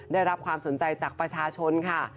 ได้รับความสนใจจากประชาชนค่ะ